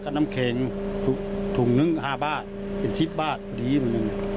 ก็น้ำแข็งถุงหนึ่ง๕บาทเป็น๑๐บาทดีเหมือนกัน